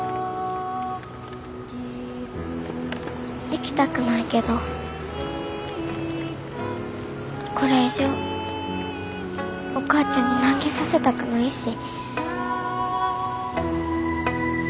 行きたくないけどこれ以上お母ちゃんに難儀させたくないし。